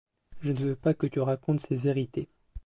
Je ne veux pas que tu racontes ces vérités.